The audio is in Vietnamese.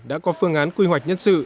đã có phương án quy hoạch nhân sự